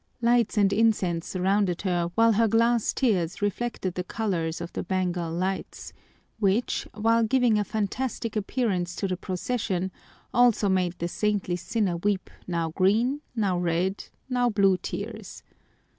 Lights and incense surrounded her while her glass tears reflected the colors of the Bengal lights, which, while giving a fantastic appearance to the procession, also made the saintly sinner weep now green, now red, now blue tears.